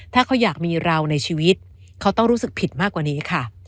ถ้าเขาอยากมีเราในชีวิตเขาต้องรู้สึกผิดมากกว่านี้ค่ะ